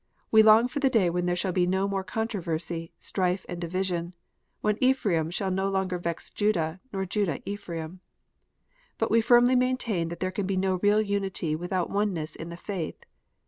We long for that day when there shall be no more controversy, strife, and division ; when Ephraim shall no longer vex Judah, nor Judah Ephraim. But we firmly maintain that there can be no real unity without oneness in the faith.